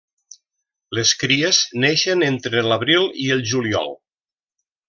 Les cries neixen entre l'abril i el juliol.